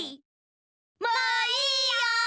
もういいよ！